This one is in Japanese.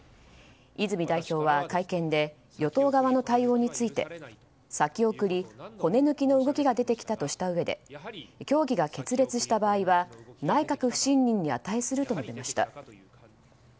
泉代表は会見で与党側の対応について先送り、骨抜きの動きが出てきたとしたうえで協議が決裂した場合は内閣不信任に値すると述べました。